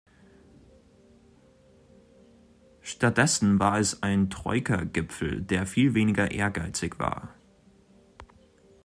Stattdessen war es ein Troika-Gipfel, der viel weniger ehrgeizig war.